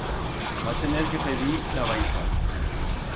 Va tener que pedir la baixa.